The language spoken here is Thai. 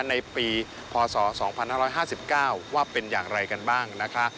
ในปีพศ๒๕๕๙ว่าเป็นอย่างไรกันบ้างนะคะ